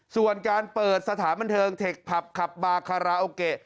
ส่วนการเปิดสถานบันเทิงเทคผับขับบาคาราโอเกะ